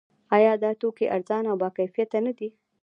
آیا دا توکي ارزانه او باکیفیته نه دي؟